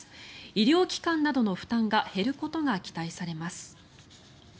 医療機関などの負担が減ることが期待されます。